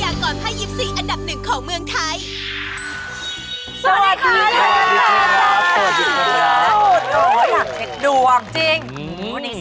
อยากเท็จดูออกจริง